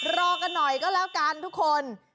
รอกันหน่อยก็แล้วกันทุกคน